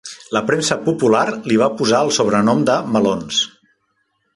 La premsa popular li va posar el sobrenom de "Melons".